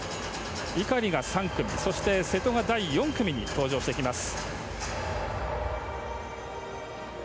井狩が３組そして瀬戸が第４組に登場してきます。